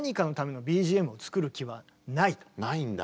ないんだ。